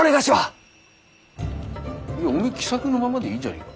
いやおめえ喜作のままでいいんじゃねえか？